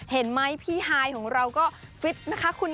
เห็นไหมพี่ฮายของเราก็ฟิตนะคะคุณ